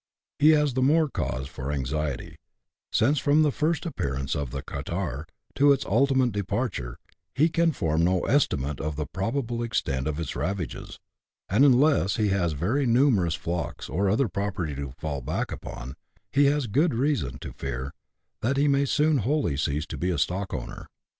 He has the more cause for anxiety, since from the tirst appearance of the catarrh to its ultimate departure he can form no estimate of the probable extent of its ravages ; and unless he has very numerous flocks or other property to fall back upon, he has good reason to fear that he may soon wholly cease to be a stockowner.